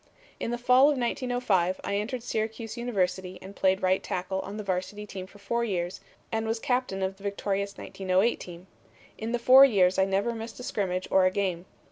"In the fall of 1905 I entered Syracuse University and played right tackle on the varsity team for four years and was captain of the victorious 1908 team. In the four years I never missed a scrimmage or a game.